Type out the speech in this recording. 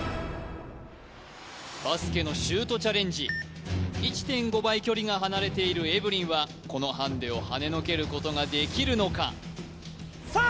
バスケのシュートチャレンジ１．５倍距離が離れているエブリンはこのハンデをはねのけることができるのかさあ